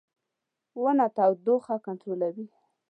• ونه تودوخه کنټرولوي.